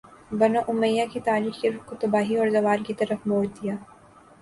بنو امیہ کی تاریخ کے رخ کو تباہی اور زوال کی طرف موڑ دیا